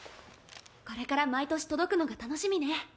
これから毎年届くのが楽しみね。